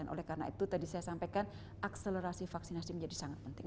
oleh karena itu tadi saya sampaikan akselerasi vaksinasi menjadi sangat penting